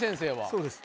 そうです。